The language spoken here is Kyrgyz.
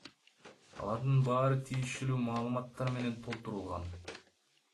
Алардын баары тиешелүү маалыматтар менен толтурулган.